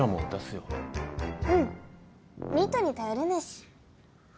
うんニートに頼れないし。